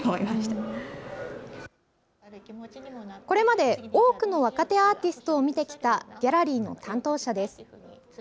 これまで、多くの若手アーティストを見てきたギャラリーの担当者です。